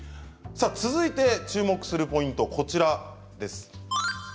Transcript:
続いて注目するポイントがこちらです。